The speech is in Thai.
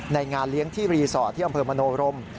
งานเลี้ยงที่รีสอร์ทที่อำเภอมโนรม